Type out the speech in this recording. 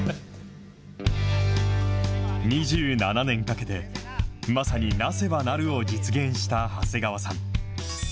２７年かけて、まさになせば成るを実現した長谷川さん。